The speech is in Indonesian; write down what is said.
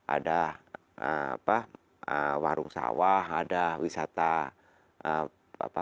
ada warung sawah ada wisata